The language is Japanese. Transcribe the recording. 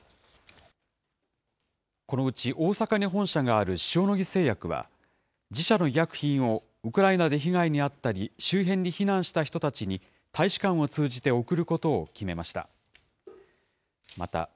このうち、大阪に本社がある塩野義製薬は、自社の医薬品をウクライナで被害に遭ったり周辺に避難した人たちに、大使館を通じて送ることを決めました。